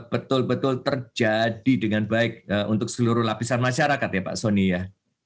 betul betul terjadi dengan baik untuk seluruh lapisan masyarakat ya pak soni ya